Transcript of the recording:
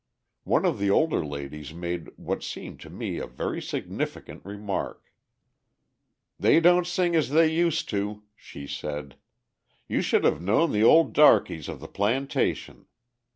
One of the older ladies made what seemed to me a very significant remark. "They don't sing as they used to," she said. "You should have known the old darkeys of the plantation.